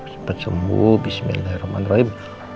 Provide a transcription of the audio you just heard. sempat sembuh bismillahirrahmanirrahim